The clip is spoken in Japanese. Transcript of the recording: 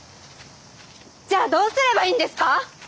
じゃあどうすればいいんですか！？